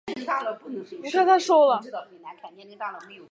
鲁布桑旺丹还是蒙古科学院院士。